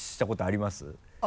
あります